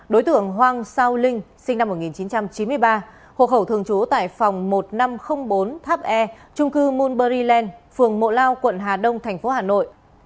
đối tượng hoàng sao linh sinh năm một nghìn chín trăm chín mươi ba hộ khẩu thường trú tại phòng một nghìn năm trăm linh bốn tháp e trung cư monberryland phường mộ lao quận hà đông tp hà nội